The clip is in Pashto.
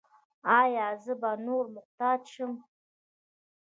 ایا زه به د نورو محتاج شم؟